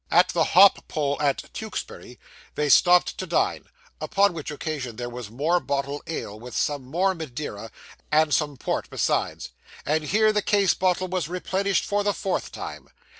At the Hop Pole at Tewkesbury, they stopped to dine; upon which occasion there was more bottled ale, with some more Madeira, and some port besides; and here the case bottle was replenished for the fourth time.